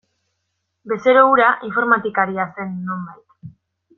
Bezero hura informatikaria zen nonbait.